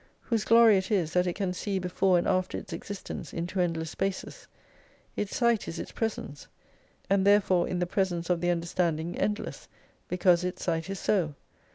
Whose glory it is, that it can see before and after its existence into endless spaces. Its Sight is its presence. And therefore in the presence of the under standing endless, because its Sight is so.